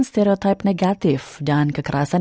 stereotip negatif dan kekerasan